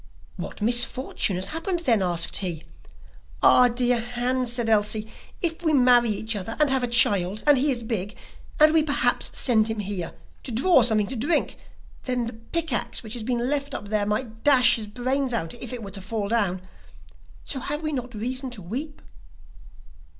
'What misfortune has happened then?' asked he. 'Ah, dear Hans,' said Elsie, 'if we marry each other and have a child, and he is big, and we perhaps send him here to draw something to drink, then the pick axe which has been left up there might dash his brains out if it were to fall down, so have we not reason to weep?